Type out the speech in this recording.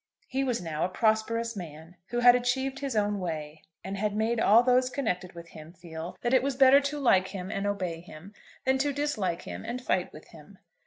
He was now a prosperous man, who had achieved his own way, and had made all those connected with him feel that it was better to like him and obey him, than to dislike him and fight with him.